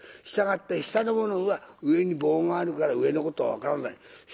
したがって下の者は上に棒があるから上のことは分からない。